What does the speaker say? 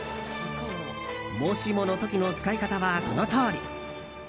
もしもの時の使い方はこのとおり。